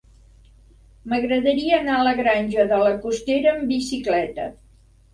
M'agradaria anar a la Granja de la Costera amb bicicleta.